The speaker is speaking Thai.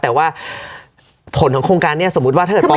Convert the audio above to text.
แต่ว่าผลของโครงการนี้สมมุติว่าถ้าเกิดปอ